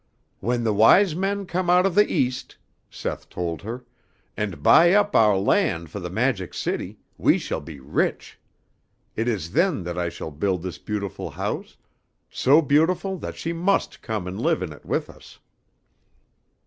"When the Wise Men come out of the East," Seth told her, "and buy up ouah land fo' the Magic City, we shall be rich. It is then that I shall build this beautiful house, so beautiful that she must come and live in it with us."